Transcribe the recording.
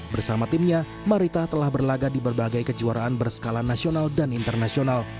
bersama timnya marita telah berlaga di berbagai kejuaraan berskala nasional dan internasional